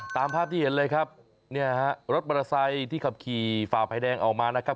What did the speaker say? ตามภาพที่เห็นเลยครับเนี่ยฮะรถมอเตอร์ไซค์ที่ขับขี่ฝ่าไฟแดงออกมานะครับ